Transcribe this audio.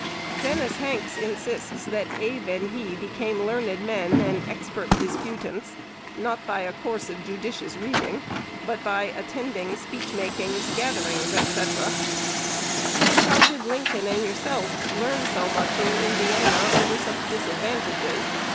Dennis Hanks insists that Abe and he became learned men and expert disputants, not by a course of judicious reading, but by attending "speech makings, gatherings," &c. "How did Lincoln and yourself learn so much in Indiana under such disadvantages?"